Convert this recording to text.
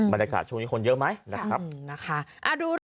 บรรยากาศช่วงนี้คนเยอะไหมนะครับ